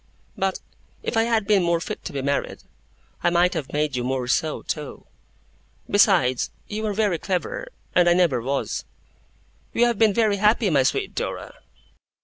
But if I had been more fit to be married I might have made you more so, too. Besides, you are very clever, and I never was.' 'We have been very happy, my sweet Dora.